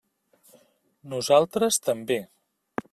Nosaltres també.